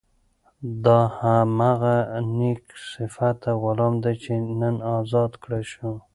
دا هماغه نېک صفته غلام دی چې نن ازاد کړای شو.